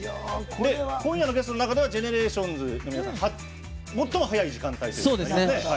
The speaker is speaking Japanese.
今夜のゲストの中ではＧＥＮＥＲＡＴＩＯＮＳの皆さん最も早い時間帯と。